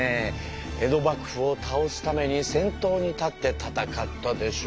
江戸幕府を倒すために先頭に立って戦ったでしょ。